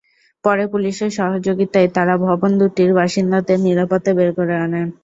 পরে পুলিশের সহযোগিতায় তাঁরা ভবন দুটির বাসিন্দাদের নিরাপদে বের করে আনেন।